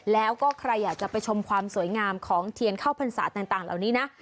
แล้วก็ใครอยากจะไปชมความสวยงามของเทียนเข้าพรรษาต่างเหล่านี้นะ